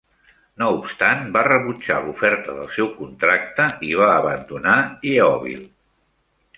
No obstant, va rebutjar l'oferta del seu contracte i va abandonar Yeovil.